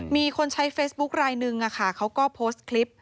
มีคนใช้เฟซบุ๊กไลน์หนึ่งอะค่ะเขาก็โพสต์คลิป